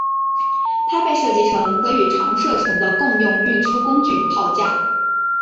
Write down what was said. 它被设计成可与长射程的共用运输工具与炮架。